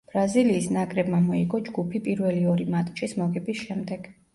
ბრაზილიის ნაკრებმა მოიგო ჯგუფი პირველი ორი მატჩის მოგების შემდეგ.